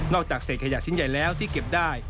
จากเศษขยะชิ้นใหญ่แล้วที่เก็บได้